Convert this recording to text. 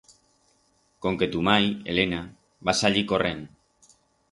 Conque tu mai, Elena, va sallir corrend.